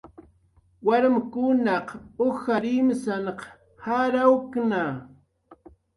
Warmkunaq ujar imsanq jarawuktna